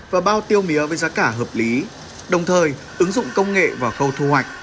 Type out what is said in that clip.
và bao tiêu mía với giá cả hợp lý đồng thời ứng dụng công nghệ và khâu thu hoạch